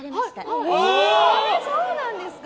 あれそうなんですか？